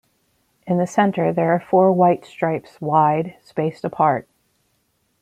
In the center there are four white stripes wide, spaced apart.